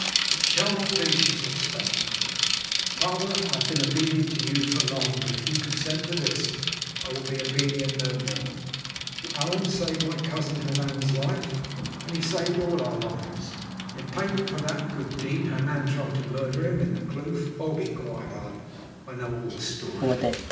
"It shall not be!" she said, stamping her foot. "Father, I have been obedient to you for long, but if you consent to this I will be obedient no more. Allan saved my cousin Hernan's life, as he saved all our lives. In payment for that good deed Hernan tried to murder him in the kloof—oh! be quiet, Allan; I know all the story.